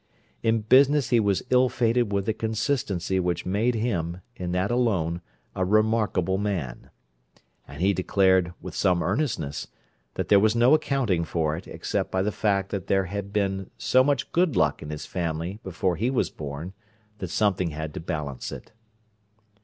In business he was ill fated with a consistency which made him, in that alone, a remarkable man; and he declared, with some earnestness, that there was no accounting for it except by the fact that there had been so much good luck in his family before he was born that something had to balance it.